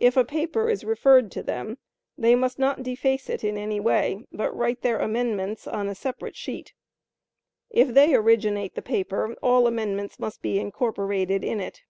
If a paper is referred to them they must not deface it in any way, but write their amendments on a separate sheet. If they originate the paper, all amendments must be incorporated in it.